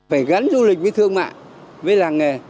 phải gắn du lịch với thương mại với làng nghề